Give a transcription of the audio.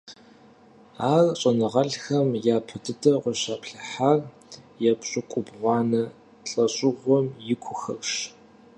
Ахэр щӀэныгъэлӀхэм япэ дыдэу къыщаплъыхьар епщыкӏубгъуанэ лӀэщӀыгъуэм икухэрщ.